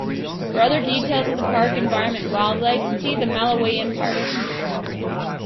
For other details of the park environment and wildlife, see the Malawian park.